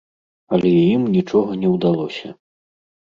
Але ім нічога не ўдалося.